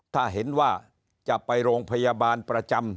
ถ้าเห็นว่าจะไปโรงพยาบาลประจำ